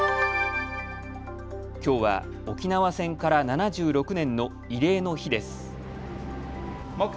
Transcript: きょうは沖縄戦から７６年の慰霊の日です。